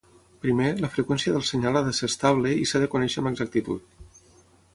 Primer, la freqüència del senyal ha de ser estable i s'ha de conèixer amb exactitud.